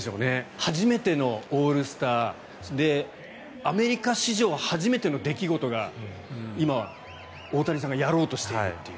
初めてのオールスターでアメリカ史上初めての出来事が今、大谷さんがやろうとしているという。